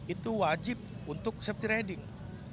itu wajib untuk safety riding